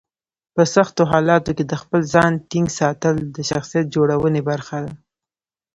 په سختو حالاتو کې د خپل ځان ټینګ ساتل د شخصیت جوړونې برخه ده.